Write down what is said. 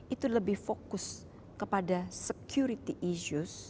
itu lebih fokus kepada security issues